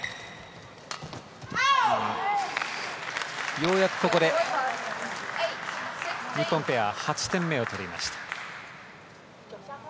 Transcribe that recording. ようやくここで日本ペア８点目を取りました。